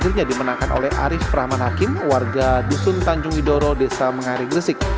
akhirnya dimenangkan oleh arief rahman hakim warga dusun tanjung widodoro desa mengari gresik